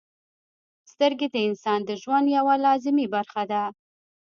• سترګې د انسان د ژوند یوه لازمي برخه ده.